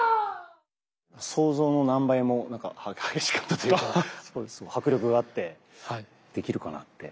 想像の何倍も激しかったというか迫力があってできるかなって。